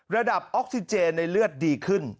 ระดับออกซิเจนในเลือดดีขึ้น